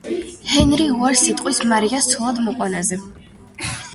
ჰენრი უარს იტყვის მარიას ცოლად მოყვანაზე.